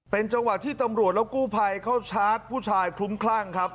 เป็นจังหวะที่ตำรวจและกู้ภัยเข้าชาร์จผู้ชายคลุ้มคลั่งครับ